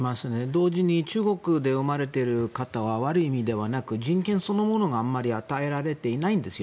同時に、中国で生まれている方は悪い意味ではなく人権そのものがあまり与えられていないんです。